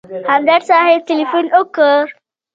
همدرد صاحب تیلفون وکړ.